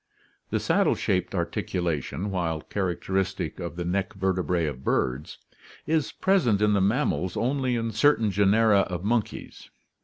The saddle shaped ar ticulation, while characteristic of the neck vertebrae of birds, is present in the mammals only in certain genera of monkeys.